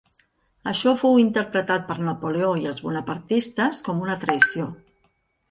Això fou interpretat per Napoleó i els bonapartistes com una traïció.